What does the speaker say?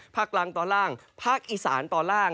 ภาวะประกษ์ตอนล่างภาคอีสารตอนล่าง